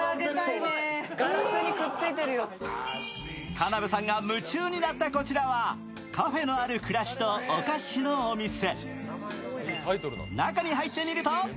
田辺さんが夢中になったこちらはカフェのある暮らしとお菓子のお店。